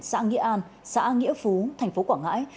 xã nghĩa an xã nghĩa phú thành phố quảng ngãi